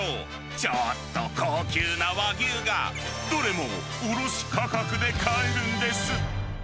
ちょっと高級な和牛が、どれも卸価格で買えるんです。